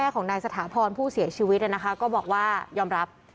ของนายสถาพรผู้เสียชีวิตก็บอกว่ายอมรับ